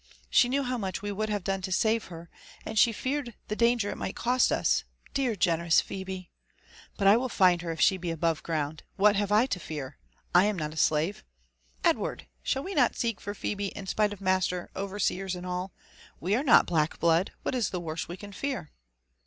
— She knew how much we would have done to save her, and she feared the danger it might cost us ^ear, generous Phebe I— But I will find her if she be above ground ; ^wbat have I to fear?—! am not a slave,— Edward 1 shall we not seek 0* 84 LIFE AND ADVCNTGRBS OF for Phebe, in spite of master, overseers, and all I We are not black blood ;— ^what is the worst we can fear?"